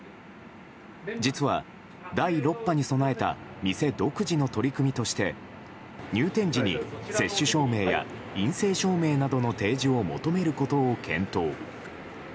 実は、第６波に備えた店独自の取り組みとして入店時に接種証明や陰性証明などの提示を求めることを検討。